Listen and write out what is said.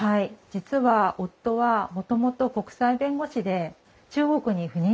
実は夫はもともと国際弁護士で中国に赴任してたんです。